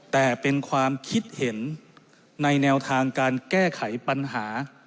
แต่เป็นความคิดเห็นในแนวทางการแก้ไขปัญหา